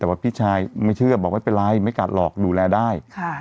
แต่ว่าพี่ชายไม่เชื่อบอกไม่เป็นไรไม่กัดหรอกดูแลได้